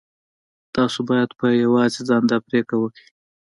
تاسې بايد په يوازې ځان دا پرېکړه وکړئ.